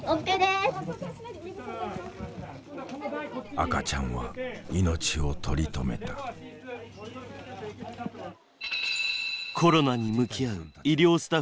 赤ちゃんは命を取り留めたコロナに向き合う医療スタッフと患者たち。